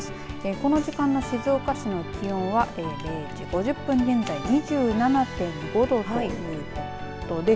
この時間の静岡市の気温は０時５０分現在２７．５度ということです。